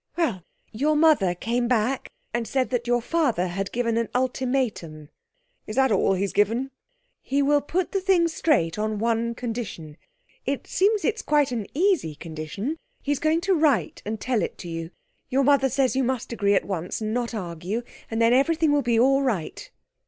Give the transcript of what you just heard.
'Well, your mother came back and said that your father had given an ultimatum.' 'Is that all he's given?' 'He will put the thing straight on one condition it seems it is quite an easy condition; he's going to write and tell it you. Your mother says you must agree at once, not argue, and then everything will be all right.'